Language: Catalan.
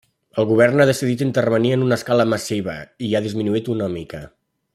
El govern ha decidit intervenir en una escala massiva i ha disminuït una mica.